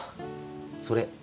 それ。